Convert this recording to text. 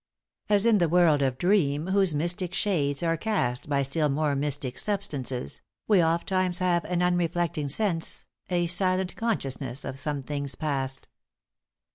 * As in the world of dream whose mystic shades Are cast by still more mystic substances, We ofttimes have an unreflecting sense, A silent consciousness of some things past.